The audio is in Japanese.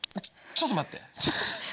ちょっと待って。